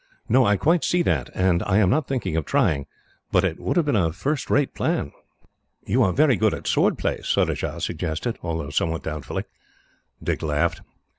"No, I quite see that, and I am not thinking of trying; but it would have been a first rate plan." "You are very good at sword play," Surajah suggested, although somewhat doubtfully. Dick laughed.